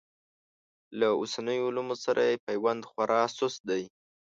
له اوسنیو علومو سره یې پیوند خورا سست دی.